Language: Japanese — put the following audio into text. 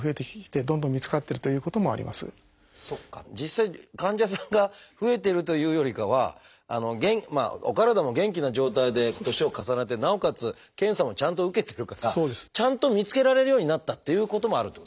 実際患者さんが増えてるというよりかはお体も元気な状態で年を重ねてなおかつ検査もちゃんと受けてるからちゃんと見つけられるようになったっていうこともあるっていうことですね。